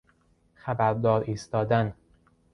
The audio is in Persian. خبردار ایستادن